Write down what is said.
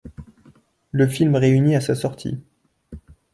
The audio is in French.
Le film réunit à sa sortie.